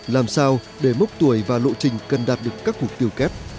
làm sao để mốc tuổi và lộ trình cần đạt được các mục tiêu kép